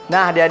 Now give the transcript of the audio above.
nah dia ini